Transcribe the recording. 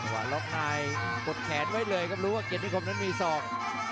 หัวหลักนายกดแขนไว้เลยครับรู้ว่าเกียรติคมนั่นมีสอง